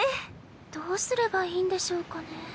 どうすればいいんでしょうかね。